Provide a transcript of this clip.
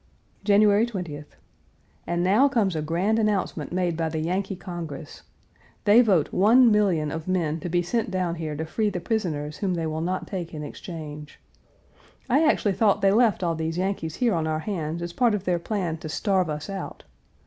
January 20th. And now comes a grand announcement made by the Yankee Congress. They vote one million of men to be sent down here to free the prisoners whom they will not take in exchange. I actually thought they left all these Yankees here on our hands as part of their plan to starve us out.